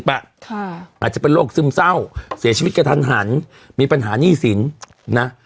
อาจจะเป็นโรคซึมเศร้าเสียชีวิตกระทันหันมีปัญหาหนี้สินนะ